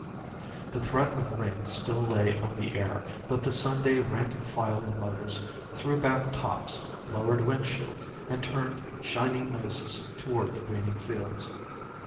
The threat of rain still lay on the air, but the Sunday rank and file of motors threw back tops, lowered windshields, and turned shining noses toward the greening fields.